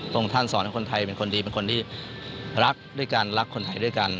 องค์ท่านสอนให้คนไทยเป็นคนดีเป็นคนที่รักด้วยกันรักคนไทยด้วยกัน